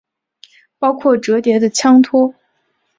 包括折叠的枪托。